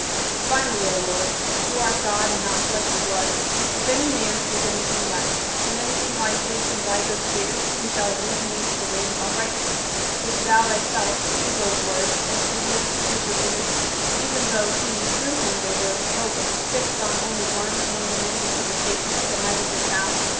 Finally, O Lord who art God and not flesh and blood if any man sees anything less, can anything lie hid from "thy good Spirit" who shall "lead me into the land of uprightness," which thou thyself, through those words, wast revealing to future readers, even though he through whom they were spoken fixed on only one among the many interpretations that might have been found?